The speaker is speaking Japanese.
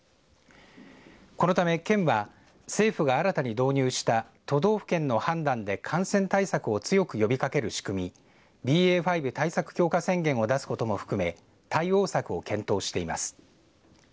このため県は政府が新たに導入した都道府県の判断で感染対策を強く呼びかける仕組みＢＡ．５対策強化宣言を出すことも含め対応策を検討しています。